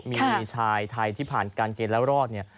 มีชายไทยที่ผ่านการเกณฑ์แล้วรอดเนี่ย